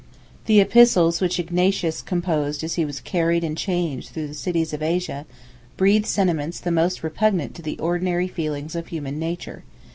92 The epistles which Ignatius composed as he was carried in chains through the cities of Asia, breathe sentiments the most repugnant to the ordinary feelings of human nature.